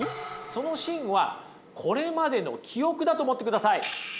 その芯はこれまでの記憶だと思ってください。